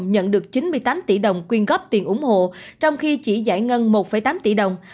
các bạn bắt tin đồn nhận được chín mươi tám tỷ đồng quyên góp tiền ủng hộ trong khi chỉ giải ngân một tám tỷ đồng